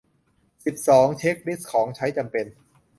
สิบสอง เช็กลิสต์ของใช้จำเป็น